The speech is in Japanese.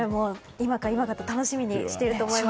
今か今かと楽しみにしていると思います。